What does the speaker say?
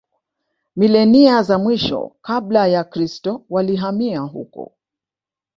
Milenia za mwisho Kabla ya Kristo walihamia huko